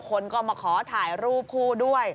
คนก็มาขอถ่ายรูปคู่ด้วย